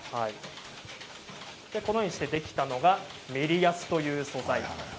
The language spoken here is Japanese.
このようにしてできたのがメリヤスという素材です。